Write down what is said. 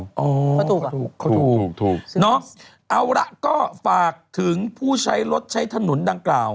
อ๋อเขาถูกเหรอเขาถูกน้องเอาละก็ฝากถึงผู้ใช้รถใช้ถนนดังกล่าว